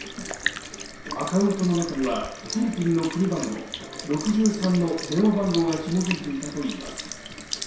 アカウントの中にはフィリピンの国番号６３の電話番号がひも付いていたといいます。